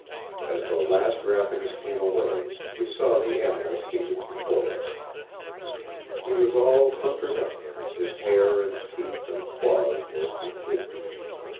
As the last wrappings came away, we saw the animal seated before us. He was all hunkered up; his hair and teeth and claws were complete.